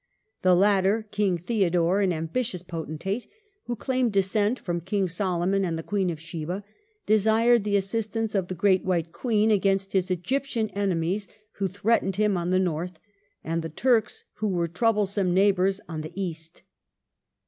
The latter, King Theodore, an ambitious potentate, who claimed descent from King Solomon and the Queen of Sheba, desired the assistance of the Great White Queen against his Egyptian enemies, who threatened him on the north, and the Turks who were troublesome neighbours on the east.